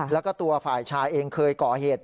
แล้วก็ตัวฝ่ายชายเองเคยก่อเหตุ